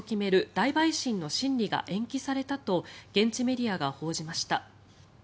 大陪審の審理が延期されたと現地メディアが報じました。